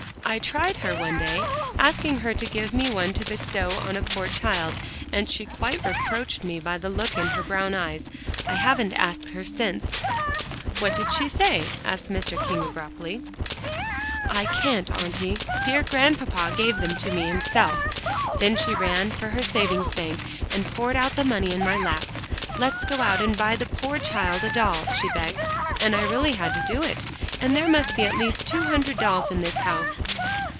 I tried her one day, asking her to give me one to bestow on a poor child, and she quite reproached me by the look in her brown eyes. I haven't asked her since." "What did she say?" asked Mr. King abruptly. "'I can't, Auntie; dear Grandpapa gave them to me himself.' Then she ran for her savings bank, and poured out the money in my lap. 'Let's go out and buy the poor child a doll,' she begged, and I really had to do it. And there must be at least two hundred dolls in this house."